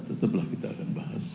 tetaplah kita akan bahas